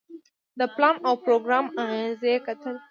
د پلان او پروګرام اغیزې کتل.